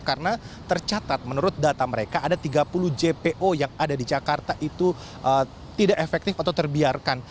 karena tercatat menurut data mereka ada tiga puluh jpo yang ada di jakarta itu tidak efektif atau terbiarkan